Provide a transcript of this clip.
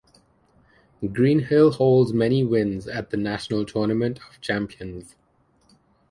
Greenhill holds many wins at the National Tournament of Champions.